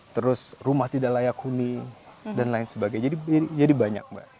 terus rumah tidak layak huni dan lain sebagainya